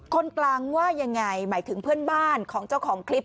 คนกลางว่ายังไงหมายถึงเพื่อนบ้านของเจ้าของคลิป